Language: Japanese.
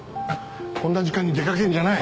こんな時間に出かけるんじゃない！